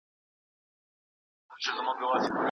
ماشینونه مه ضایع کوه.